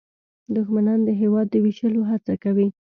دښمنان د هېواد د ویشلو هڅه کوي